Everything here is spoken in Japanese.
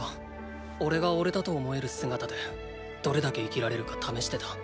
おれが“おれ”だと思える姿でどれだけ生きられるか試してた。